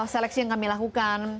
seleksi yang kami lakukan